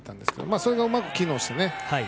それがうまく機能しましたね。